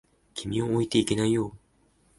君を置いていけないよ。